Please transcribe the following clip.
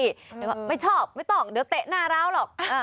นี่แบบไม่ชอบไม่ต้องเดี๋ยวเตะหน้าเราหรอก